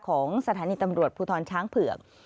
ของสถานีตำรวจภูทรช้างเผือก